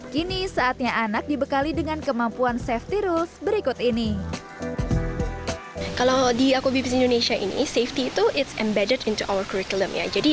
kini saatnya anak dibekali dengan kemampuan safety rules berikut ini